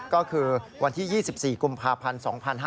ก็คือวันที่๒๔กุมภาพันธ์๒๕๕๙